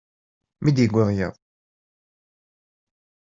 Mi d-yewweḍ yiḍ.